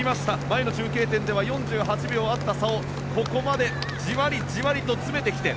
前の中継点では４８秒あった差をここまでじわりじわりと詰めてきて